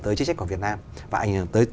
tới chí trách của việt nam và ảnh hưởng tới